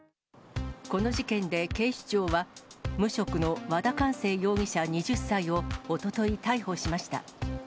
この事件で警視庁は、無職の和田貫成容疑者２０歳をおととい逮捕しました。